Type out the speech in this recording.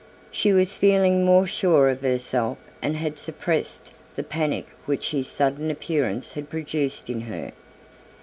She was feeling more sure of herself and had suppressed the panic which his sudden appearance had produced in her.